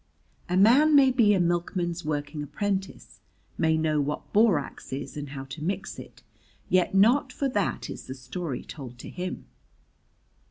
A man may be a Milkman's Working Apprentice, may know what borax is and how to mix it, yet not for that is the story told to him.